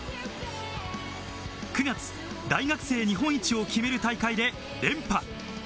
９月、大学生日本一を決める大会で連覇。